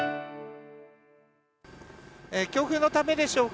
強風のためでしょうか。